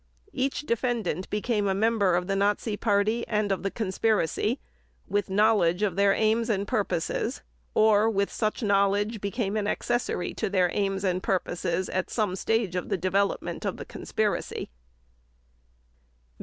Each defendant became a member of the Nazi Party and of the conspiracy, with knowledge of their aims and purposes, or, with such knowledge, became an accessory to their aims and purposes at some stage of the development of the conspiracy.